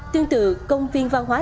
tương tự công viên văn hóa